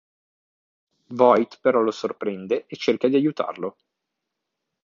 Voight però lo sorprende e cerca di aiutarlo.